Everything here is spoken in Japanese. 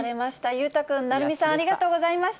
裕太君、鳴海さん、ありがとうございました。